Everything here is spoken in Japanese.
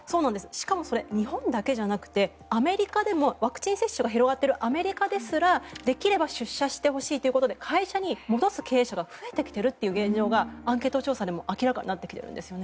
しかもそれ日本だけじゃなくてアメリカでも、ワクチン接種が広がっているアメリカですらできれば出社してほしいということで会社に戻す経営者が増えてきているという現状がアンケート調査でも明らかになっているんですね。